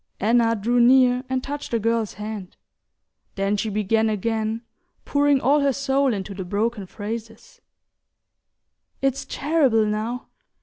Anna drew near and touched the girl's hand; then she began again, pouring all her soul into the broken phrases: "It's terrible now